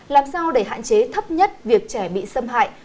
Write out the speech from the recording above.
làm sao để hạn chế thấp nhất việc trẻ bị xâm hại